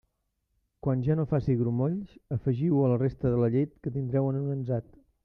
Quan ja no faci grumolls, afegiu-ho a la resta de la llet que tindreu en un ansat.